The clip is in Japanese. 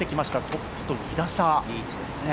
トップと２打差。